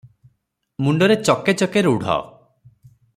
ମୁଣ୍ଡରେ ଚକେ ଚକେ ରୁଢ ।